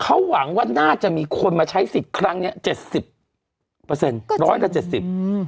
เขาหวังว่าน่าจะมีคนมาใช้สิทธิ์ครั้งเนี้ยเจ็ดสิบเปอร์เซ็นต์ร้อยละเจ็ดสิบอืม